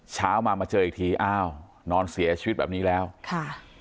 เช้ามามาเจออีกทีอ้าวนอนเสียชีวิตแบบนี้แล้วค่ะ